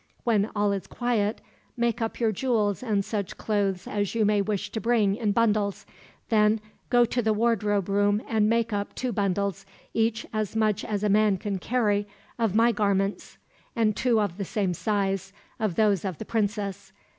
When all is quiet, make up your jewels and such clothes as you may wish to bring in bundles. Then go to the wardrobe room and make up two bundles, each as much as a man can carry, of my garments; and two of the same size, of those of the princess.